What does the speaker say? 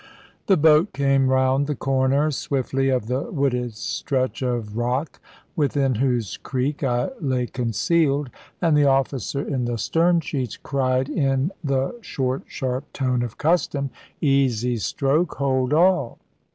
The boat came round the corner swiftly of the wooded stretch of rock, within whose creek I lay concealed; and the officer in the stern sheets cried, in the short sharp tone of custom, "Easy, stroke; hold all!"